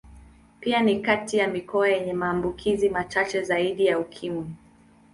Pia ni kati ya mikoa yenye maambukizi machache zaidi ya Ukimwi.